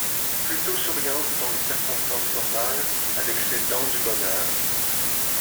plutôt souriante dans des circonstances normales, avec ses dents du bonheur